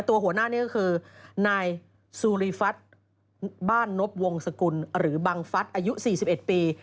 หัวหน้านี่ก็คือนายซูริฟัฐบ้านนบวงสกุลหรือบังฟัฐอายุ๔๑ปี